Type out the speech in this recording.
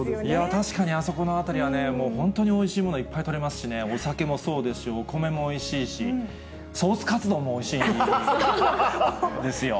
確かにあそこの辺りはね、もう本当においしいもの、いっぱい取れますしね、お酒もそうですし、お米もおいしいし、ソースかつ丼もおいしいんですよ。ですよ。